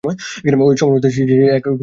ঐ স্বপ্নাবস্থায় সে একরূপ আনন্দের ভাবে থাকে।